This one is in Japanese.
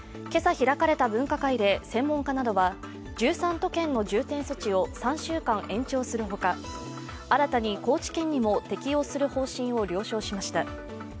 今朝開かれた分科会で専門家などは１３都県の重点措置を３週間延長するほか、新たに高知県にも適用する方針を了承しました。